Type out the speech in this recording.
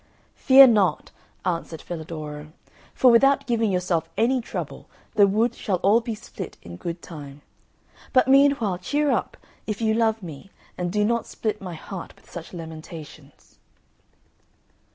"Fear not," answered Filadoro, "for without giving yourself any trouble the wood shall all be split in good time. But meanwhile cheer up, if you love me, and do not split my heart with such lamentations."